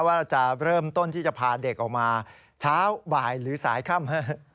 ว่าจะเริ่มต้นที่จะพาเด็กออกมาเช้าบ่ายหรือสายค่ำ